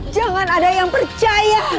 jangan ada yang percaya